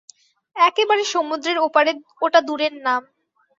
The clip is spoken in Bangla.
একেবারে সমুদ্রের ওপারের ওটা দূরের নাম।